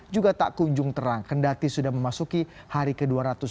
juga tak kunjung terang kendati sudah memasuki hari ke dua ratus dua puluh